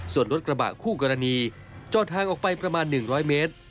ส่วนรถกระบะคู่กรณีจอดทางออกไปประมาณ๑๐๐เมตร